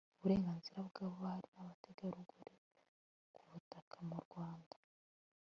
uburenganzira bw'abari n'abategarugori ku butaka mu rwanda